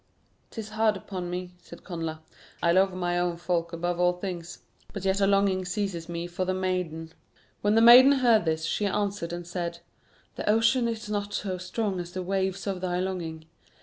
"'Tis hard upon me," said Connla; "I love my own folk above all things; but yet a longing seizes me for the maiden." When the maiden heard this, she answered and said: "The ocean is not so strong as the waves of thy longing.